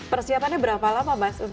persiapannya berapa lama mas